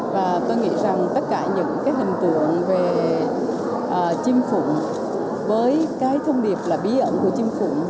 và tôi nghĩ rằng tất cả những cái hình tượng về chim phụng với cái thông điệp là bí ẩn của chim phụng